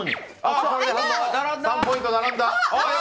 ３ポイント、並んだ。